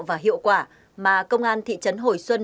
và hiệu quả mà công an thị trấn hồi xuân